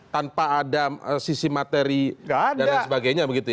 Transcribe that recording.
tanpa ada sisi materi dan lain sebagainya begitu ya